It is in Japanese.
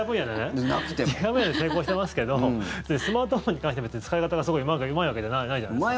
違う分野で成功してますけどスマートフォンに関して使い方がすごいうまいわけじゃないじゃないですか。